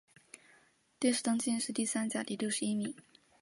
殿试登进士第三甲第六十一名。